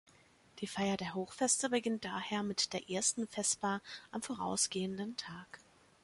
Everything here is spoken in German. Die Feier der Hochfeste beginnt daher mit der ersten Vesper am vorausgehenden Tag.